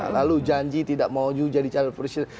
lalu janji tidak mau jadi channel perusahaan